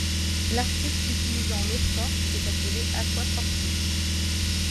L’artiste utilisant l’eau-forte est appelé aquafortiste.